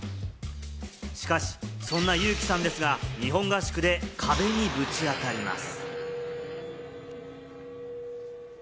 しかし、そんなユウキさんですが、日本合宿で壁にぶち当たります。